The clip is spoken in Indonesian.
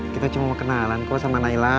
kita cuma mau kenalan kok sama naila